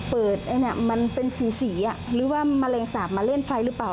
มันเป็นสีหรือว่ามะเร็งสาบมาเล่นไฟหรือเปล่า